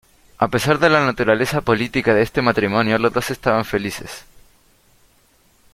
A pesar de la naturaleza política de este matrimonio, los dos estaban felices.